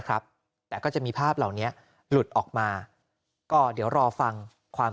ครับแต่ก็จะมีภาพเหล่านี้หลุดออกมาก็เดี๋ยวรอฟังความ